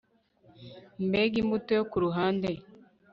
Mbega imbuto yo kuruhande